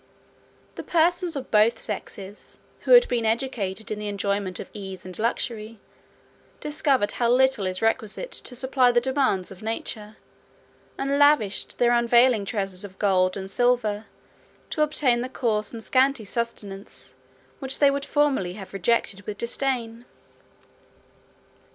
The persons of both sexes, who had been educated in the enjoyment of ease and luxury, discovered how little is requisite to supply the demands of nature; and lavished their unavailing treasures of gold and silver, to obtain the coarse and scanty sustenance which they would formerly have rejected with disdain.